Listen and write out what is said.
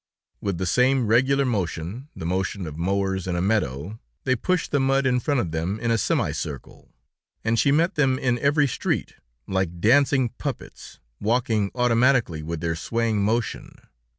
With the same regular motion, the motion of mowers in a meadow, they pushed the mud in front of them in a semi circle, and she met them in every street, like dancing puppets, walking automatically with their swaying motion.